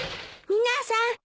皆さん